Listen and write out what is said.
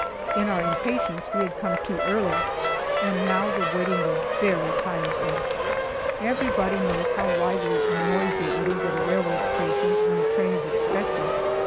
In our impatience we had come too early, and now the waiting was very tiresome. Everybody knows how lively and noisy it is at a railroad station when a train is expected.